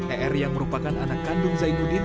er yang merupakan anak kandung zainuddin